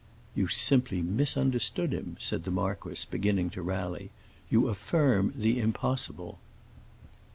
"You simply misunderstood him," said the marquis, beginning to rally. "You affirm the impossible!"